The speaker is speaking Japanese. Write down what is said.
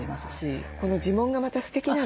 この地紋がまたすてきなの。